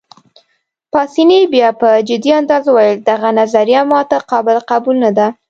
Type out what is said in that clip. پاسیني بیا په جدي انداز وویل: دغه نظریه ما ته قابل قبول نه ده.